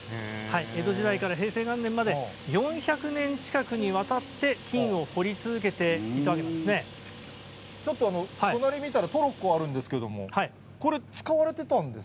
江戸時代から平成元年まで４００年近くにわたって金を掘り続けてちょっと隣見たら、トロッコあるんですけども、これ、使われてたんですか。